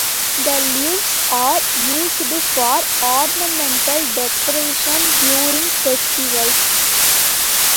The leaves are used for ornamental decoration during festivals.